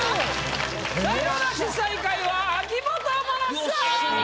才能ナシ最下位は秋元真夏さん！